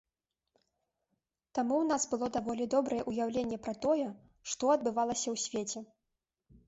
Таму ў нас было даволі добрае ўяўленне пра тое, што адбывалася ў свеце.